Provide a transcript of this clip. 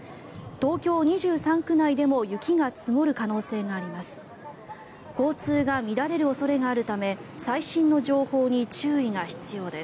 東京２３区内でも雪が積もる可能性があります。